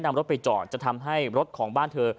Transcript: นำรถไปจอดจะทำให้รถของบ้านเธอ